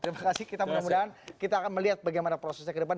terima kasih kita mudah mudahan kita akan melihat bagaimana prosesnya ke depan